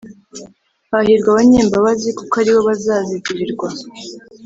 Hahirwa abanyembabazi kuko aribo bazazigirirwa